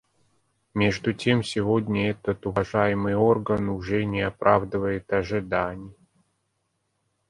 Между тем сегодня этот уважаемый орган уже не оправдывает ожиданий.